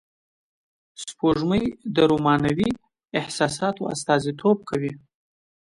سپوږمۍ د رومانوی احساساتو استازیتوب کوي